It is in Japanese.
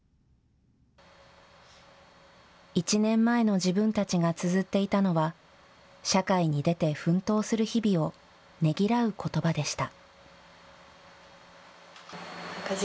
１年前の自分たちがつづっていたのは社会に出て奮闘する日々をねぎらうことばでした。